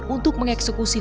untuk mengeksekusi hukuman